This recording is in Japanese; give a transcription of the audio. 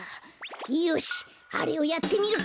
よしあれをやってみるか！